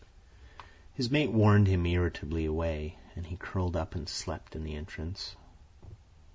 His mate warned him irritably away, and he curled up and slept in the entrance.